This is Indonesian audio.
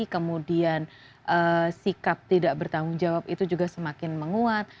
kemudian sikap tidak bertanggung jawab itu juga semakin menguat